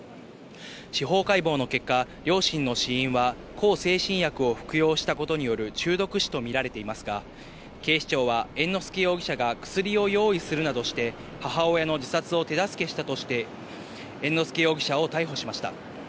司法解剖の結果、両親の死因は向精神薬を服用したことによる中毒死と見られていますが、警視庁は猿之助容疑者が薬を用意するなどして母親の自殺を手助けしたとして、猿之助容疑者を逮捕しました。